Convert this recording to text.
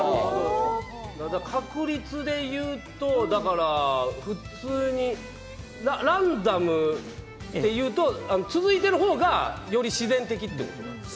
確率でいうと普通にランダムでいうと続いている方がより自然的ということですか？